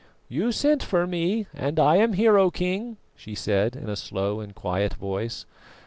"You sent for me and I am here, O King," she said, in a slow and quiet voice.